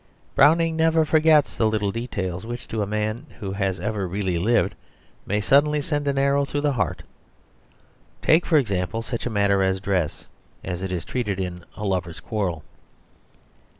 Browning never forgets the little details which to a man who has ever really lived may suddenly send an arrow through the heart. Take, for example, such a matter as dress, as it is treated in "A Lover's Quarrel."